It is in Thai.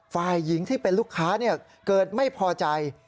ฝ่ายหญิงที่เป็นลูกค้าเกิดไม่พอใจ